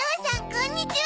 こんにちは。